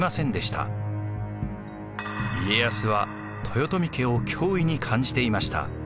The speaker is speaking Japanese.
家康は豊臣家を脅威に感じていました。